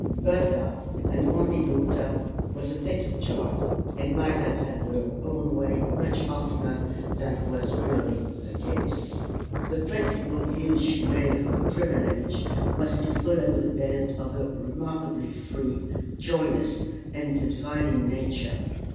Bertha, an only daughter, was a petted child, and might have had her own way much oftener than was really the case. The principal use she made of her privilege was to follow the bent of a remarkably free, joyous, and confiding nature.